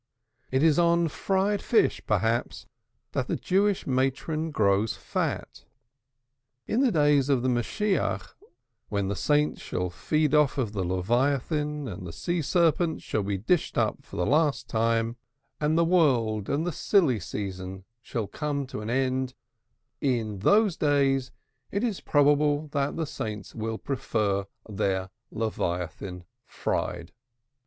It is on fried fish, mayhap, that the Jewish matron grows fat. In the days of the Messiah, when the saints shall feed off the Leviathan; and the Sea Serpent shall be dished up for the last time, and the world and the silly season shall come to an end, in those days it is probable that the saints will prefer their Leviathan fried.